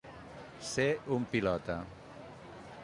Ser un pilota.